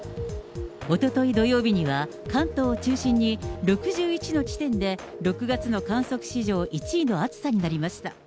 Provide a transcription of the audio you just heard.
おととい土曜日には、関東を中心に６１の地点で６月の観測史上１位の暑さになりました。